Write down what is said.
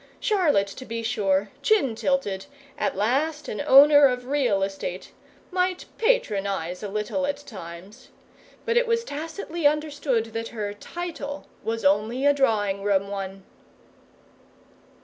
Charlotte, to be sure, chin tilted, at last an owner of real estate, might patronize a little at times; but it was tacitly understood that her "title" was only a drawing room one.